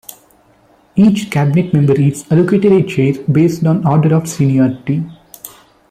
Each Cabinet member is allocated a chair based on order of seniority.